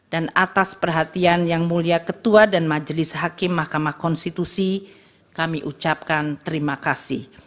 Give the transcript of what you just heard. dan atas perhatian yang mulia ketua dan majelis hakim mahkamah konstitusi kami ucapkan terima kasih